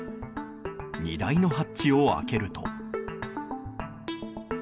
荷台のハッチを開けると。